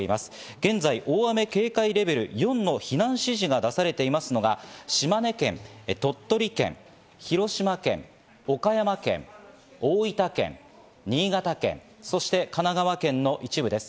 現在、大雨警戒レベル４の避難指示が出されていますのが、島根県、鳥取県、広島県、岡山県、大分県、新潟県、神奈川県の一部です。